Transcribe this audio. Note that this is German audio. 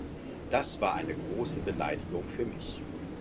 Das war eine große Beleidigung für mich.